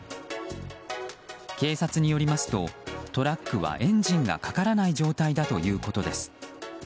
警察によりますとトラックはエンジンがかからない状態だということです。